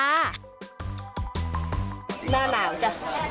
หน้าหนาวจ้ะ